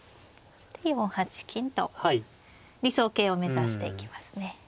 ４八金と理想型を目指していきますね。